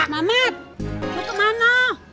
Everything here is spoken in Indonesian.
mamat lu kemana